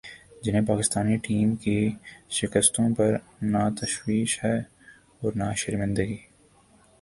جنہیں پاکستانی ٹیم کی شکستوں پر نہ تشویش ہے اور نہ شرمندگی